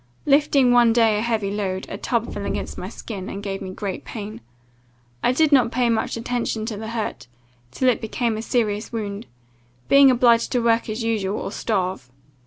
Lifting one day a heavy load, a tub fell against my shin, and gave me great pain. I did not pay much attention to the hurt, till it became a serious wound; being obliged to work as usual, or starve.